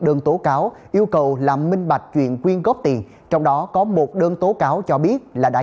đơn tố cáo yêu cầu làm minh bạch chuyện quyên góp tiền trong đó có một đơn tố cáo cho biết là đã